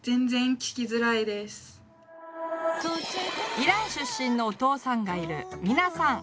イラン出身のお父さんがいるミナさん。